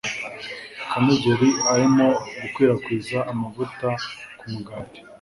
Kamegeri arimo gukwirakwiza amavuta kumugati.